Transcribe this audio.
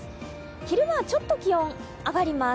昼間はちょっと気温上がります。